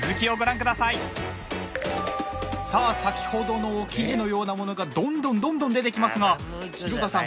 さあ先ほどの生地のようなものがどんどんどんどん出てきますが広田さん